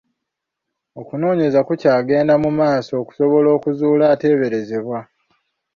Okunoonyereza kukyagenda mu maaso okusobola okuzuula ateeberezebwa.